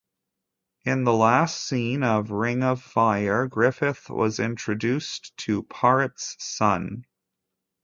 In the last scene of "Ring of Fire", Griffith was introduced to Paret's son.